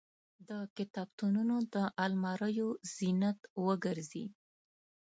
د کتابتونونو د الماریو زینت وګرځي.